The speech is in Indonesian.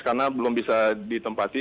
karena belum bisa ditempati